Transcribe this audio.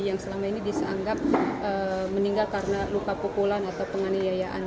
yang selama ini dianggap meninggal karena luka pukulan atau penganiayaan